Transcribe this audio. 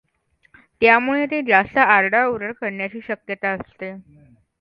त्यामुळे ते जास्त आरडाओरड करण्याची शक्यता असते.